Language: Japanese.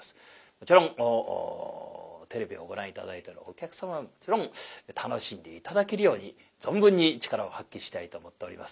もちろんテレビをご覧頂いてるお客様ももちろん楽しんで頂けるように存分に力を発揮したいと思っております。